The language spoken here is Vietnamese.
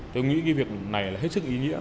tôi nghĩ việc này là hết sức ý nghĩa